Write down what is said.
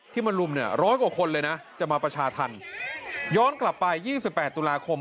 ที่มรุมเนี่ยร้อยกว่าคนเลยนะจะมาประชาธรรมย้อนกลับไปยี่สิบแปดตุลาคม